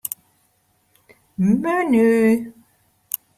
Menu.